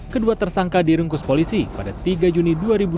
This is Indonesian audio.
kedua tersangka dirungkus polisi pada tiga juni dua ribu dua puluh tiga